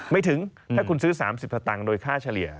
ไม่ถึงถ้าคุณซื้อ๓๐สตางค์โดยค่าเฉลี่ย